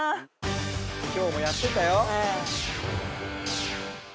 今日もやってたよ。